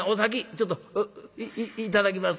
ちょっといただきます。